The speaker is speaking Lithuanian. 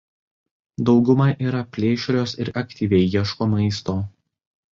Dauguma yra plėšrios ir aktyviai ieško maisto.